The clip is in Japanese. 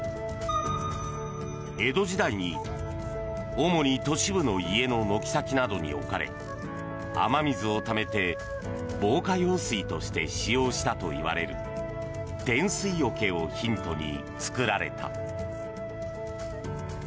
江戸時代に、主に都市部の家の軒先などに置かれ雨水をためて、防火用水として使用したといわれる天水桶をヒントに作られた。